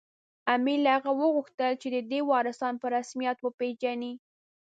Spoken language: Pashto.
امیر له هغه وغوښتل چې د ده وارثان په رسمیت وپېژني.